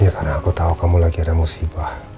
ya karena aku tahu kamu lagi ada musibah